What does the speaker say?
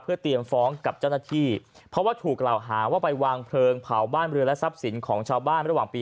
เตรียมฟ้องกับเจ้าหน้าที่เพราะว่าถูกกล่าวหาว่าไปวางเพลิงเผาบ้านเรือและทรัพย์สินของชาวบ้านระหว่างปี